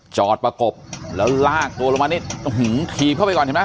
จอดประกบแล้วลากตัวลงมานิดอื้อหื้อทีบเข้าไปก่อนใช่ไหมนะ